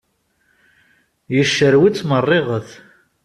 Yecrew-itt merriɣet!